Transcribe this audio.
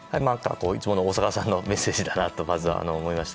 いつもの大坂さんのメッセージだなと思いました。